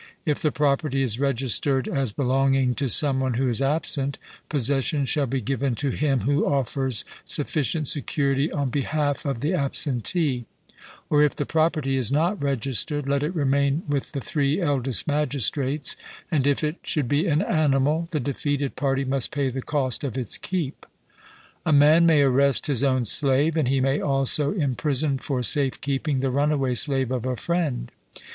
If the property is registered as belonging to some one who is absent, possession shall be given to him who offers sufficient security on behalf of the absentee; or if the property is not registered, let it remain with the three eldest magistrates, and if it should be an animal, the defeated party must pay the cost of its keep. A man may arrest his own slave, and he may also imprison for safe keeping the runaway slave of a friend.